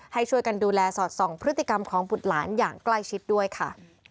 ให้ช่วยกันดูแลสอดส่องพฤติกรรมของบุตรหลานอย่างใกล้ชิดด้วยค่ะ